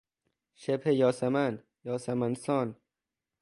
شبه یاسمن، یاسمن سان